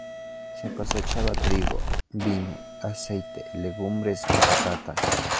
Se cosechaba trigo, vino, aceite, legumbres y patatas.